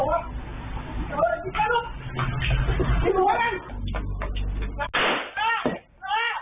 มันต้องมันต้องมันต้อง